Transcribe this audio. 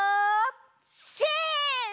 せの！